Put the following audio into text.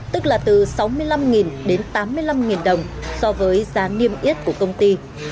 tức là từ sáu mươi năm đến tám mươi năm đồng so với giá niêm yết của công ty